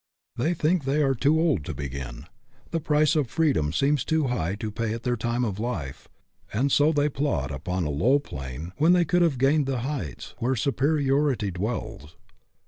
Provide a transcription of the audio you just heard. They think they are too old to begin; the price of freedom seems too high to pay at their time of life, and so they plod upon a low plain when they could have gained the heights where superi ority dwells.